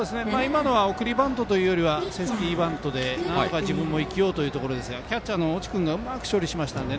送りバントというよりはセーフティーバントであわよくば自分も生きようということでキャッチャーの越智君もうまく処理しました。